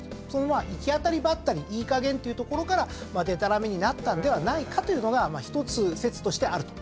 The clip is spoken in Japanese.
まあ行き当たりばったりいいかげんから「出鱈目」になったんではないかというのが１つ説としてあると。